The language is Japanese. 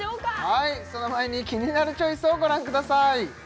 はいその前にキニナルチョイスをご覧ください